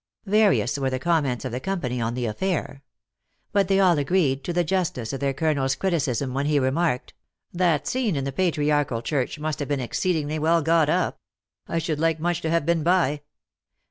Various were the comments of the company on the aifair. But they all agreed to the justness of their colonel s criti cism, when he remarked : "That scene in the Patri archal Church must have been exceedingly well got up. I should like much to have been by.